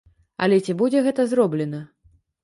Але ці будзе гэта зроблена?